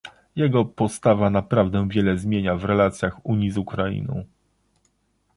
Jego postawa naprawdę wiele zmienia w relacjach Unii z Ukrainą